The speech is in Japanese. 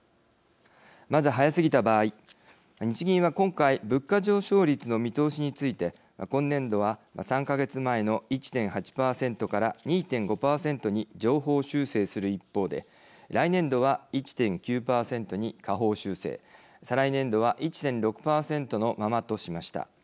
まず、早すぎた場合日銀は今回物価上昇率の見通しについて今年度は、３か月前の１．８％から２．５％に上方修正する一方で来年度は１．９％に下方修正再来年度は１．６％のままとしました。